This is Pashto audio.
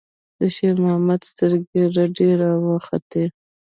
د شېرمحمد سترګې رډې راوختې.